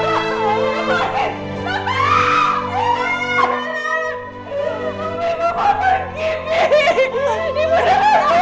ibu mau pergi mi